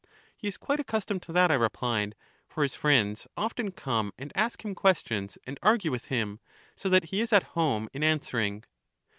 He is quite accustomed to that, I replied; for his friends often come and ask him questions and argue with him ; so that he is at home in answering.